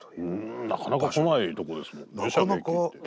んなかなか来ないとこですもんね。